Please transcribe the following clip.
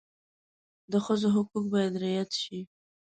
د ښځو حقوق باید رعایت شي.